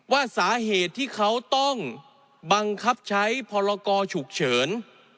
ว่าสาเหตุที่เขาต้องบังคับใช้พรกรฉุกเฉิน